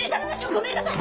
ごめんなさい！